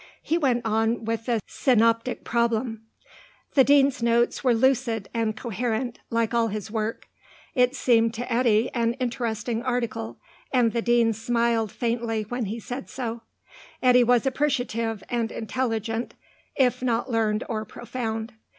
He went on with the Synoptic Problem. The Dean's notes were lucid and coherent, like all his work. It seemed to Eddy an interesting article, and the Dean smiled faintly when he said so. Eddy was appreciative and intelligent, if not learned or profound.